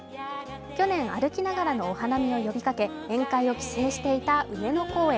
去年、歩きながらのお花見を呼びかけ、宴会を規制していた上野公園。